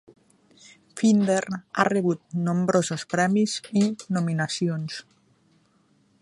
Finder ha rebut nombrosos premis i nominacions.